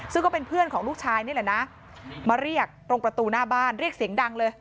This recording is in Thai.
ซึ่งก็เป็นเพื่อนของลูกชายนี่แหละนะมาเรียกตรงประตูหน้าบ้านเรียกเสียงดังเลย